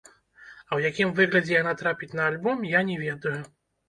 А ў якім выглядзе яна трапіць на альбом, я не ведаю.